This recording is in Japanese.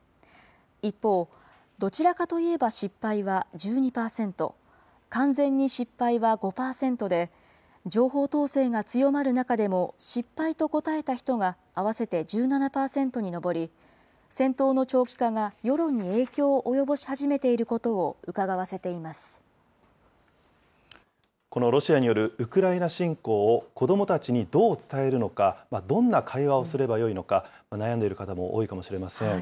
一方、どちらかといえば失敗は１２％、完全に失敗は５％で、情報統制が強まる中でも失敗と答えた人が合わせて１７％に上り、戦闘の長期化が世論に影響を及ぼし始めていることをうかがわせてこのロシアによるウクライナ侵攻を子どもたちにどう伝えるのか、どんな会話をすればよいのか、悩んでいる方も多いかもしれません。